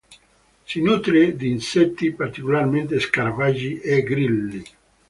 Si nutre di insetti, particolarmente scarafaggi e grilli.